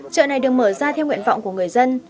chợ này được mở ra theo nguyện vọng của người dân